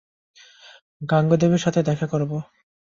গাঙুদেবীর সাথে দেখা করবো।